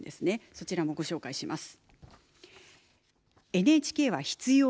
そちらもご紹介します。